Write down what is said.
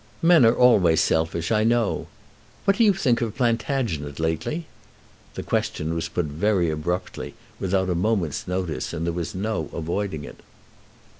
"Men are always selfish, I know. What do you think of Plantagenet lately?" The question was put very abruptly, without a moment's notice, and there was no avoiding it.